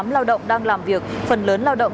lao động đang làm việc phần lớn lao động